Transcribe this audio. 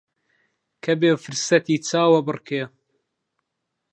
کە بێ فرسەتی چاوەبڕکێ